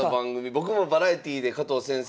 僕もバラエティーで加藤先生